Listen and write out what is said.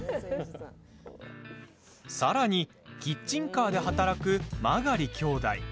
さらに、キッチンカーで働くマガリ兄弟。